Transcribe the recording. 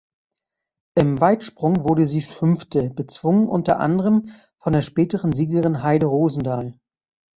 Im Weitsprung wurde sie Fünfte, bezwungen unter anderem von der späteren Siegerin Heide Rosendahl.